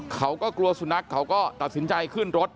เขาก็กลัวสุนัขเขาก็ตัดสินใจขึ้นรถ